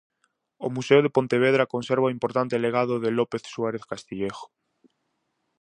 O Museo de Pontevedra conserva o importante legado de López Suárez-Castillejo.